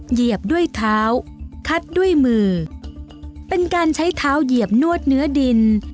เหยียบด้วยเท้าคัดด้วยมือเป็นการใช้เท้าเหยียบนวดเนื้อดิน